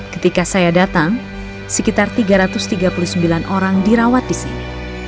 ketika saya datang sekitar tiga ratus tiga puluh sembilan orang dirawat di sini